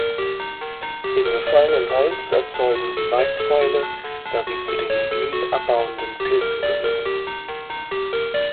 Im befallenen Holz erzeugen sie Weißfäule, da sie zu den Lignin-abbauenden Pilzen gehören.